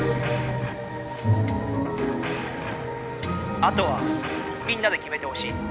「あとはみんなできめてほしい。